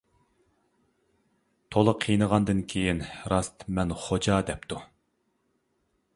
تولا قىينىغاندىن كېيىن: «راست مەن خوجا» دەپتۇ.